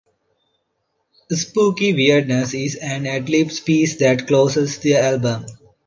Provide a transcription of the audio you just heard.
"Spooky Weirdness" is an ad-libbed piece that closes the album.